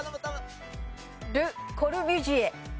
ル・コルビュジエ。